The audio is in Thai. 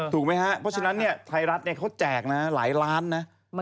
ถูกไหมฮะเพราะฉะนั้นเนี่ยไทยรัฐเนี่ยเขาแจกนะฮะหลายล้านนะ